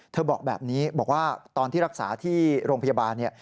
บอกแบบนี้บอกว่าตอนที่รักษาที่โรงพยาบาลเนี่ย